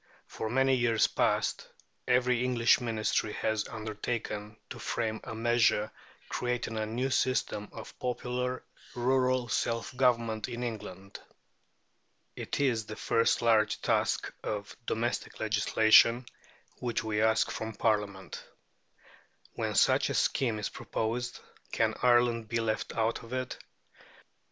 For many years past, every English Ministry has undertaken to frame a measure creating a new system of popular rural self government in England. It is the first large task of domestic legislation which we ask from Parliament. When such a scheme is proposed, can Ireland be left out of it?